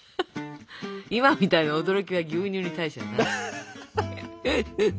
今みたいな驚きは牛乳に対しての何？